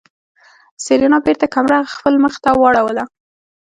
سېرېنا بېرته کمره خپل مخ ته واړوله.